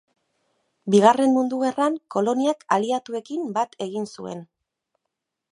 Bigarren Mundu Gerran koloniak Aliatuekin bat egin zuen.